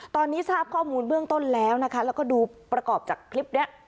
ตอนนี้ทราบข้อมูลเบื้องต้นแล้วนะคะแล้วก็ดูประกอบจากคลิปนี้